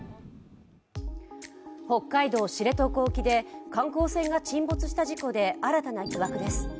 北海道・知床沖で観光船が沈没した事故で新たな疑惑です。